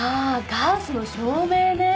ガウスの証明ね。